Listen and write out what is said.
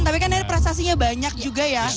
tapi kan persasinya banyak juga ya